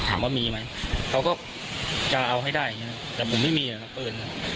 ถามว่ามีไหมเขาก็จะเอาให้ได้นะแต่ผมไม่มีนะเปลือน